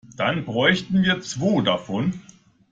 Dann bräuchten wir zwo davon.